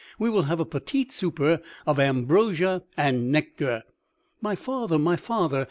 We will have a *petit souper_ of ambrosia and nectar." "My father! my father!